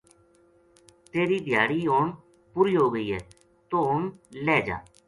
تیری دھیاڑی ہن پوری ہو گئی ہے توہ ہن لہہ جا